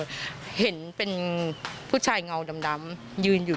เธอขนลุกเลยนะคะเสียงอะไรอีกเสียงอะไรบางอย่างกับเธอแน่นอนค่ะ